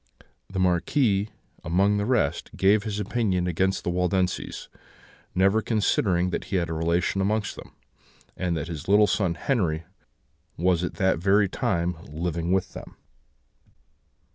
The Marquis, among the rest, gave his opinion against the Waldenses; never considering that he had a relation amongst them, and that his little son Henri was at that very time living with them.